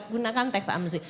gunakan teks amsi